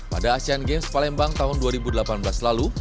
pada asean games palembang tahun dua ribu delapan belas lalu